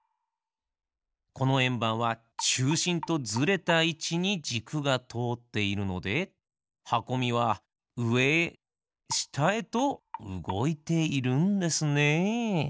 このえんばんはちゅうしんとずれたいちにじくがとおっているのではこみはうえへしたへとうごいているんですね。